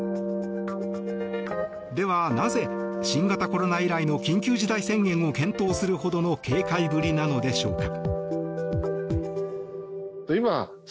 では、なぜ新型コロナ以来の緊急事態宣言を検討するほどの警戒ぶりなのでしょうか。